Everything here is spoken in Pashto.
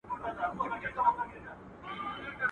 o ښه په پښه نه پيداکېږي.